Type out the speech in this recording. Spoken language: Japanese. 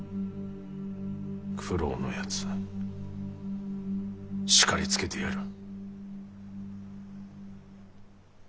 九郎のやつ叱りつけてやる。